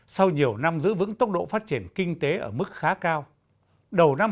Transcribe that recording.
sau nhiều năm giữ vững tốc độ phát triển kinh tế ở mức khá cao đầu năm hai nghìn hai mươi